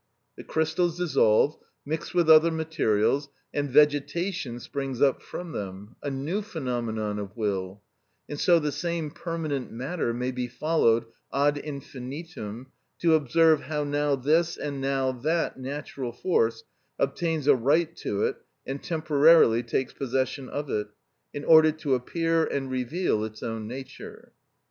The crystals dissolve, mix with other materials, and vegetation springs up from them—a new phenomenon of will: and so the same permanent matter may be followed ad infinitum, to observe how now this and now that natural force obtains a right to it and temporarily takes possession of it, in order to appear and reveal its own nature.